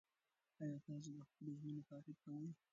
ایا تاسو د خپلو ژمنو تعقیب کوئ؟